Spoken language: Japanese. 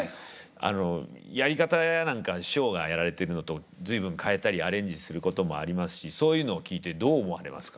あのやり方や何か師匠がやられてるのと随分変えたりアレンジすることもありますしそういうのを聴いてどう思われますか？